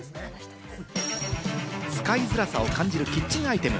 使いづらさを感じるキッチンアイテム。